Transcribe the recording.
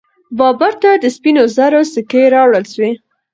بابر ته د سپینو زرو سکې راوړل سوې.